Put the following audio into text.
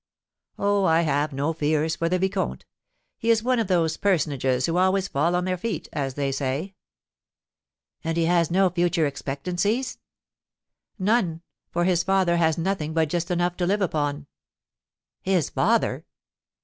Oh, I have no fears for the vicomte! He is one of those personages who always fall on their feet, as they say." "And he has no future expectancies?" "None; for his father has nothing but just enough to live upon." "His father?"